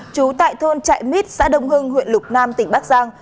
trú tại thôn trại mít xã đông hưng huyện lục nam tỉnh bắc giang